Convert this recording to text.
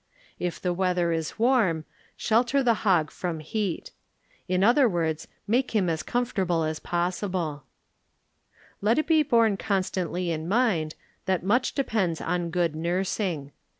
If the weather is warm, shelter the hog from heat. In other words, make him as comfortable as possible Let it be borne constantly in mind that much depends on good nursing.